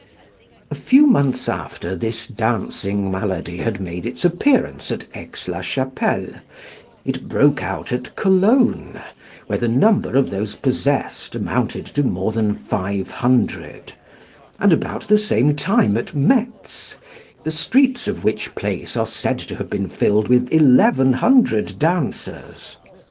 A few months after this dancing malady had made its appearance at Aix la Chapelle, it broke out at Cologne, where the number of those possessed amounted to more than five hundred, and about the same time at Metz, the streets of which place are said to have been filled with eleven hundred dancers.